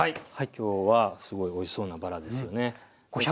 今日はすごいおいしそうなバラですよね。